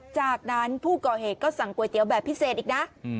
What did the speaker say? จากนั้นผู้ก่อเหตุก็สั่งก๋วยเตี๋ยวแบบพิเศษอีกนะ